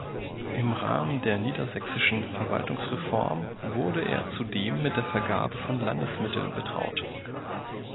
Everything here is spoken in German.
Im Rahmen der niedersächsischen Verwaltungsreform wurde er zudem mit der Vergabe von Landesmitteln betraut.